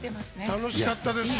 楽しかったですよ。